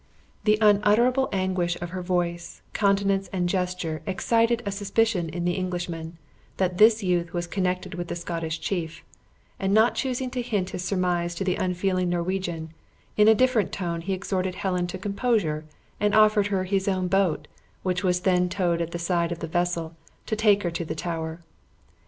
The unutterable anguish of her voice, countenance, and gesture excited a suspicion in the Englishman, that this youth was connected with the Scottish chief; and not choosing to hint his surmise to the unfeeling Norwegian, in a different tone he exhorted Helen to composure, and offered her his own boat, which was then towed at the side of the vessel, to take her to the Tower.